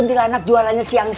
urus hilang k vielenah onego onego